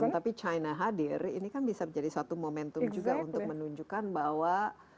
tapi china hadir ini kan bisa menjadi suatu momentum juga untuk menunjukkan bahwa